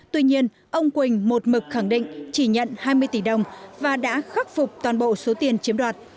tuy nhiên ông quỳnh một mực khẳng định chỉ nhận hai mươi tỷ đồng và đã khắc phục toàn bộ số tiền chiếm đoạt